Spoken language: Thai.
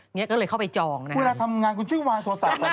เงี้ยก็เลยเข้าไปจองนะฮะเวลาทำงานคุณช่วยวางโทรศัพท์ของนี่นะ